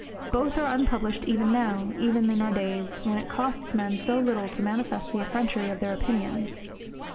Both are unpublished even now, even in our days, when it costs men so little to manifest the effrontery of their opinions.